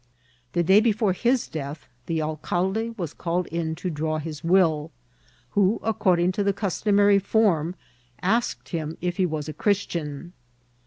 The day be fore his death the alcalde was called in to draw his will^ who, according to the customary form, asked him if he was a Christian.